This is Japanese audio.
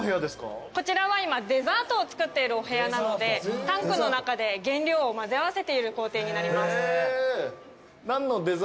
こちらは今デザートを作っているお部屋なのでタンクの中で原料を混ぜ合わせている工程になります。